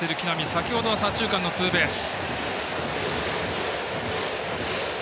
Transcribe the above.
先ほど、左中間のツーベース。